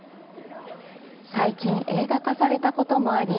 最近、映画化されたこともあり